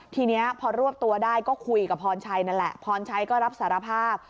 ทีนี้พอรวบตัวได้ก็คุยกับพรชัยนั่นแหละพรชัยก็รับสารภาพ